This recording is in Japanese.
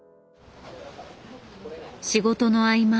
仕事の合間。